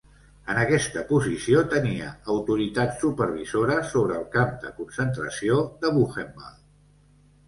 En aquesta posició tenia autoritat supervisora sobre el camp de concentració de Buchenwald.